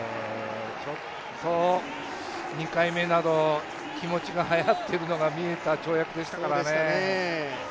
ちょっと２回目など、気持ちがはやっているのが見えた跳躍でしたからね。